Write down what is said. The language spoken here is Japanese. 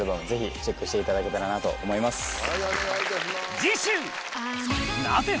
ぜひチェックしていただけたらと思います。